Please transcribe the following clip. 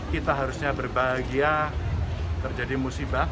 kita harusnya berbahagia terjadi musibah